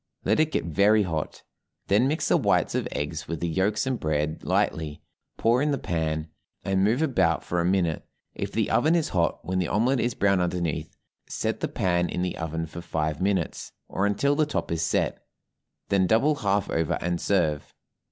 Let it get very hot, then mix the whites of eggs with the yolks and bread lightly, pour in the pan, and move about for a minute; if the oven is hot, when the omelet is brown underneath, set the pan in the oven for five minutes, or until the top is set; then double half over, and serve.